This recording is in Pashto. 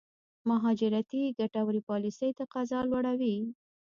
مهاجرتي ګټورې پالېسۍ تقاضا لوړوي.